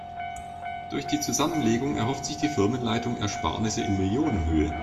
Durch die Zusammenlegung erhofft sich die Firmenleitung Ersparnisse in Millionenhöhe.